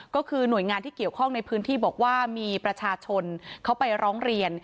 ก็คือหน่วยงานที่เกี่ยวข้องในพื้นที่บอกว่ามีประชาชนเขาไปร้องเรียน